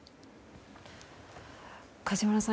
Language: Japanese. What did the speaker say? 梶原さん